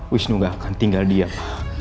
wisnu gak akan tinggal diam